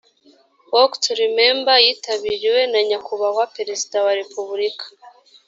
walk to remember yitabiriwe na nyakubahwa perezida wa repubulika